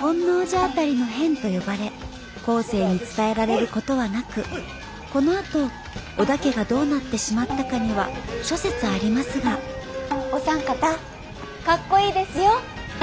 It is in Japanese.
本能寺辺りの変と呼ばれ後世に伝えられる事はなくこのあと小田家がどうなってしまったかには諸説ありますがお三方格好いいですよ！